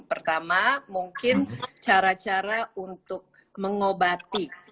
pertama mungkin cara cara untuk mengobati